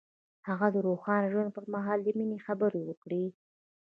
هغه د روښانه ژوند پر مهال د مینې خبرې وکړې.